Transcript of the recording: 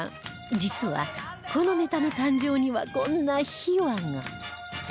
実はこのネタの誕生にはこんな秘話が